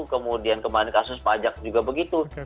kemudian kemarin kasus pajak juga begitu